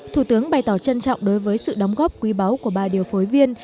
thủ tướng bày tỏ trân trọng đối với sự đóng góp quý báu của ba điều phối viên